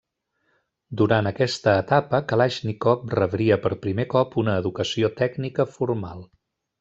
Durant aquesta etapa Kalàixnikov rebria per primer cop una educació tècnica formal.